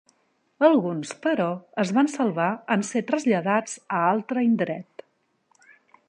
Alguns, però, es van salvar en ser traslladats a altre indret.